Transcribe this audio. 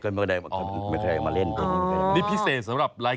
๒ร้อยศาลที่๖ปี